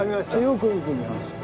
よく見えます。